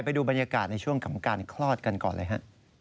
ไปดูบรรยากาศในช่วงของการคลอดกันก่อนเลยฮะ